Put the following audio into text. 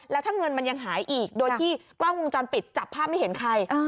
แล้วถ้าเงินมันยังหายอีกโดยที่กล้องวงจรปิดจับภาพไม่เห็นใคร